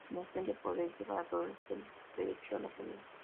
Con el fin de poder llevar a todos el derecho a la salud.